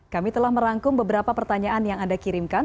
kami telah merangkum beberapa pertanyaan yang anda kirimkan